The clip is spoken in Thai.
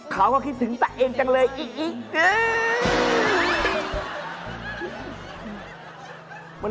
เขาก็คิดถึงตัวเองจังเลยอีก